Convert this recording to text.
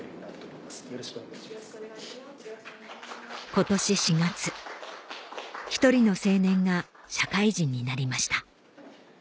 今年４月１人の青年が社会人になりました